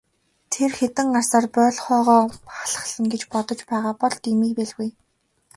Тэр хэдэн арьсаар боольхойгоо халхална гэж бодож байгаа бол дэмий байлгүй.